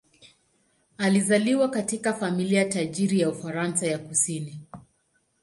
Alizaliwa katika familia tajiri ya Ufaransa ya kusini.